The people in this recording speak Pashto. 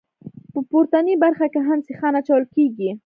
په پورتنۍ برخه کې هم سیخان اچول کیږي